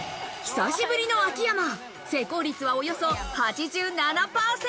久しぶりの秋山、成功率はおよそ８７％。